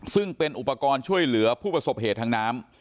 ซึ่งเป็นอุปกรณ์ช่วยเหลือผู้ประสบเหตุทางน้ำ